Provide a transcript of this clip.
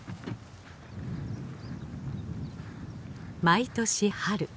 毎年春。